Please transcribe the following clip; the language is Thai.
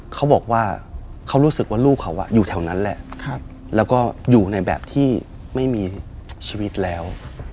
เขาบอกว่าเขารู้สึกว่าลูกเขาอยู่แถวนั้นแหละแล้วก็อยู่ในแบบที่ไม่มีชีวิตแล้ว